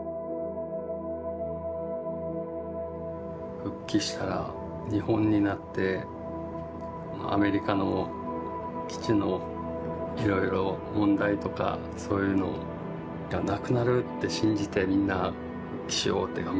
復帰したら日本になってアメリカの基地のいろいろ問題とかそういうのがなくなるって信じてみんな復帰しようって頑張ったんですよ。